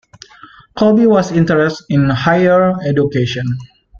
Colby was interested in higher education.